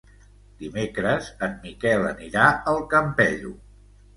Dimecres en Miquel anirà al Campello.